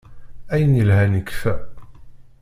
Ayen yelhan ikfa.